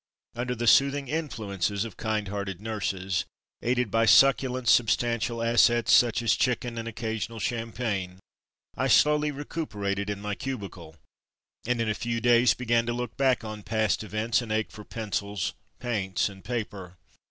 Under the soothing in fluences of kind hearted nurses, aided by suc culent substantial assets, such as chicken and occasional champagne, I slowly recuperated in my cubicle, and in a few days began to look back on past events and ache for pencils, paints, and paper.